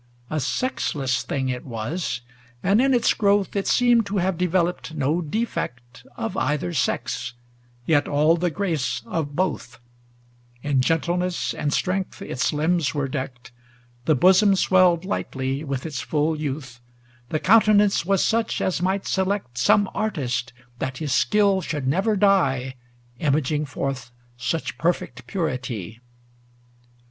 XXXVI A sexless thing it was, and in its growth It seemed to have developed no defect Of either sex, yet all the grace of both; In gentleness and strength its limbs were decked; The bosom lightly swelled with its full youth, The countenance was such as might select Some artist that his skill should never die, Imaging forth such perfect purity.